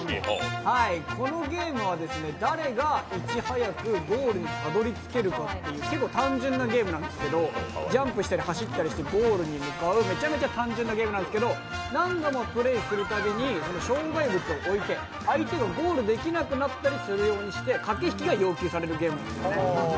このゲームは誰がいち早くゴールにたどりつけるかという単純なゲームなんですけど、ジャンプしたり走ったりしてゴールに向かうめちゃめちゃ単純なゲームなんですけど、何度もプレーするたびに障害物を越えて、相手がゴールできなくなったりするようにして駆け引きが要求されるゲームですね。